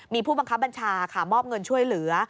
มีผู้บังคับบัญชาค่ะมอบเงินช่วยเหลือ